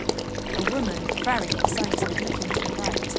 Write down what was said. A woman very excited looking to the right.